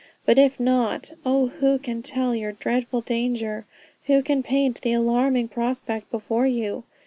But if not, oh who can tell your dreadful danger? Who can paint the alarming prospect before you?